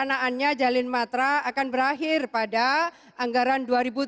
dan perencanaannya jalin matra akan berakhir pada anggaran dua ribu delapan belas